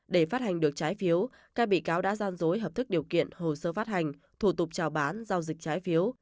để phát hành được trái phiếu các bị cáo đã gian dối hợp thức điều kiện hồ sơ phát hành thủ tục trào bán giao dịch trái phiếu